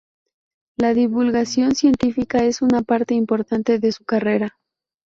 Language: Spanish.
La divulgación científica es una parte importante de su carrera.